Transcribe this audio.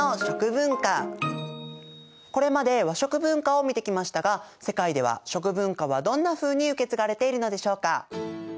これまで和食文化を見てきましたが世界では食文化はどんなふうに受け継がれているのでしょうか。